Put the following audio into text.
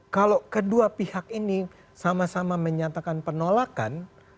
kalau kedua pihak ini sama sama menyatakan penolakan